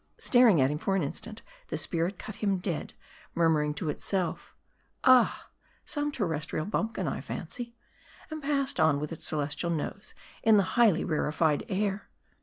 Staring at him for an instant, the spirit cut him dead ; murmuring to itself, ".Ah, some terrestrial bumpkin, I fancy," and passed on with its celestial nose in the highly rarified air.